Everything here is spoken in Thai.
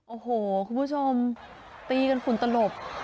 โอ้โหคุณผู้ชมตีกันฝุ่นตลบ